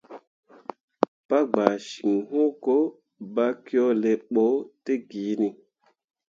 Pa gbaa ciŋ hũko, bakyole ɓo ne giini.